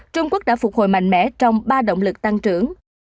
trung quốc đã phục hồi mạnh mẽ trong ba động lực tăng trưởng